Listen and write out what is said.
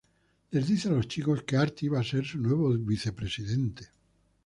Les dice a los chicos que Artie va a ser su nuevo vicepresidente.